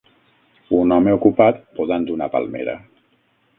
un home ocupat podant una palmera.